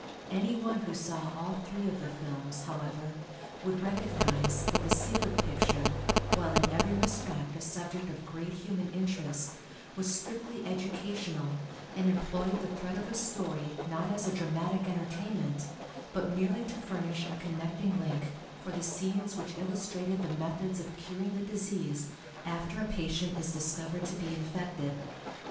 Anyone who saw all three of the films, however, would recognize that the Selig picture, while in every respect a subject of great human interest, was strictly educational, and employed the thread of a story not as a dramatic entertainment, but merely to furnish a connecting link for the scenes which illustrated the methods of curing the disease after a patient is discovered to be infected.